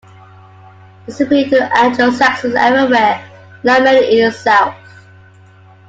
This appealed to Anglo-Saxons everywhere, not merely in the South.